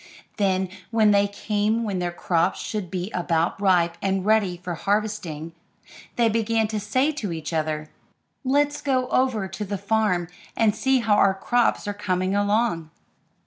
Then, when the time came when their crops should be about ripe and ready for harvesting, they began to say to each other, "Let's go over to the farm, and see how our crops are coming along."